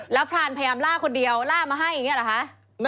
แล้วพรานพยายามล่าคนเดียวล่ามาให้อย่างนี้เหรอคะ